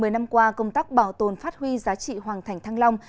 một mươi năm qua công tác bảo tồn phát huy giá trị hoàng thành thăng long